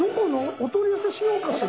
「お取り寄せしようかしら？」